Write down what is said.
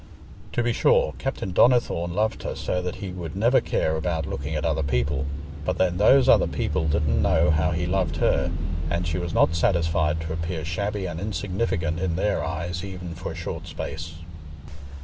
To be sure, Captain Donnithorne loved her so that he would never care about looking at other people, but then those other people didn't know how he loved her, and she was not satisfied to appear shabby and insignificant in their eyes even for a short space.